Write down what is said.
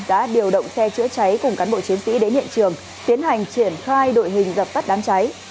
đã điều động xe chữa cháy cùng cán bộ chiến sĩ đến hiện trường tiến hành triển khai đội hình dập tắt đám cháy